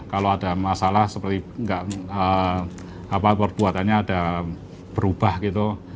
kalau ada masalah seperti perbuatannya ada berubah gitu